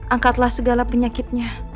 angkatlah segala penyakitnya